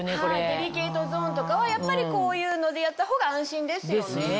デリケートゾーンとかはやっぱりこういうのでやった方が安心ですよね。